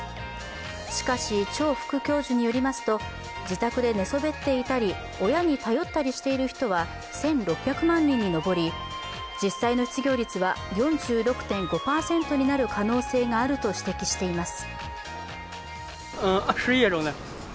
しかし、張副教授によりますと自宅で寝そべっていたり親に頼ったりしている人は１６００万人に上り実際の失業率は４６．５％になる可能性があると指摘しています。